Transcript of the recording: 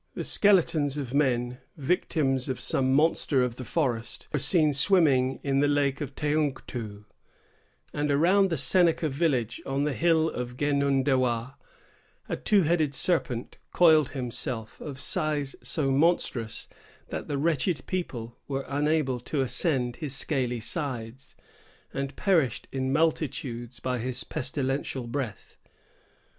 The skeletons of men, victims of some monster of the forest, were seen swimming in the Lake of Teungktoo; and around the Seneca village on the Hill of Genundewah, a two headed serpent coiled himself, of size so monstrous that the wretched people were unable to ascend his scaly sides, and perished in multitudes by his pestilential breath.